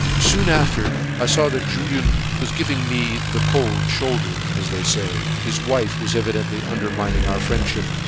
Soon afterward I saw that Julien was giving me the 'cold shoulder,' as they say. His wife was evidently undermining our friendship.